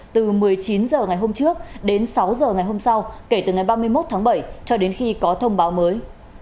từ một mươi chín h ngày hôm trước đến sáu h ngày hôm sau kể từ ngày ba mươi một tháng bảy cho đến khi có thông báo mới